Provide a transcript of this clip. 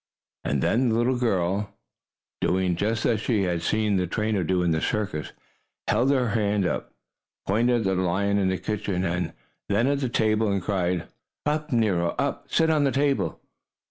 And then the little girl, doing just as she had seen the trainer do in the circus, held up her hand, pointed at the lion in the kitchen, and then at the table, and cried: "Up, Nero! Up! Sit on the table!"